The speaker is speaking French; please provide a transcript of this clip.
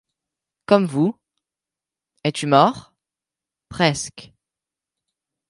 Comme vous. — Es-tu mort ?— Presque.